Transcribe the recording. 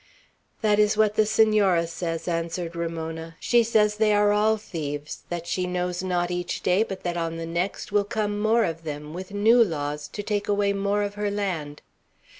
"That is what the Senora says," answered Ramona. "She says they are all thieves; that she knows not, each day, but that on the next will come more of them, with new laws, to take away more of her land.